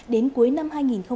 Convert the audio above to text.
đến cuối năm hai nghìn hai mươi ba